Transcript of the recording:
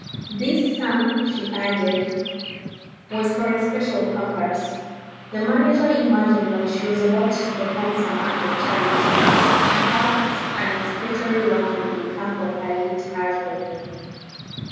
This sum, she added, was for a special purpose. The manager imagined that she was about to perform some act of charity, perhaps an expiatory work on behalf of her late husband.